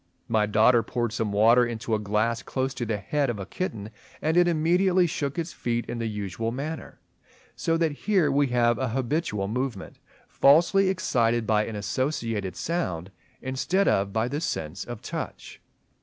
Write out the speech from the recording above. My daughter poured some water into a glass close to the head of a kitten; and it immediately shook its feet in the usual manner; so that here we have an habitual movement falsely excited by an associated sound instead of by the sense of touch.